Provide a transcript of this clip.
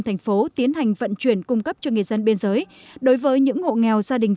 thành phố tiến hành vận chuyển cung cấp cho người dân biên giới đối với những hộ nghèo gia đình